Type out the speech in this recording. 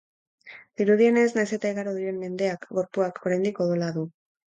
Dirudienez, nahiz eta igaro diren mendeak, gorpuak oraindik odola du.